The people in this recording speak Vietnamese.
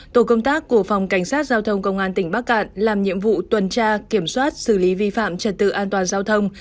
tổ công tác của phòng cảnh sát giao thông công an tỉnh bắc cạn làm nhiệm vụ tuần tra kiểm soát xử lý vi phạm trật tự an toàn giao thông